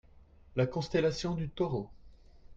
La constellation du Taureau.